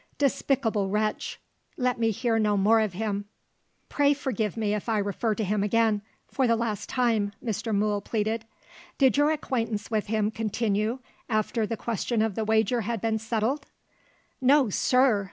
Despicable wretch! Let me hear no more of him." "Pray forgive me if I refer to him again for the last time," Mr. Mool pleaded. "Did your acquaintance with him continue, after the question of the wager had been settled?" "No, sir!"